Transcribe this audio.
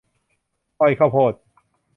อ้อย ข้าวโพด